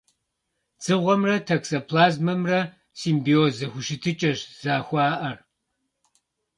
Дзыгъуэмрэ токсоплазмэмрэ симбиоз зэхущытыкӏэщ зэхуаӏэр.